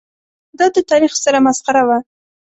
دا د تاریخ ستره مسخره وه.